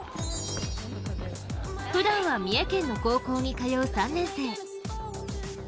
ふだんは三重県の高校に通う３年生。